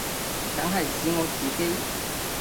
梗係指我自己